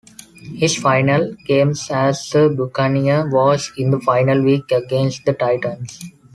His final game as a Buccaneer was in the final week against the Titans.